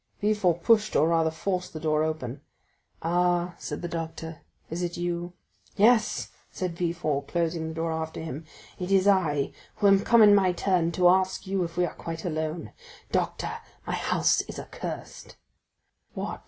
Villefort pushed, or rather forced, the door open. "Ah," said the doctor, "is it you?" "Yes," said Villefort, closing the door after him, "it is I, who am come in my turn to ask you if we are quite alone. Doctor, my house is accursed!" "What?"